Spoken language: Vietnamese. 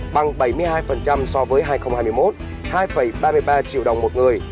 bằng bảy mươi hai so với hai nghìn hai mươi một hai ba mươi ba triệu đồng một người